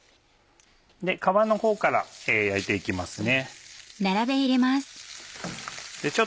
皮のほうから焼いて行きますね。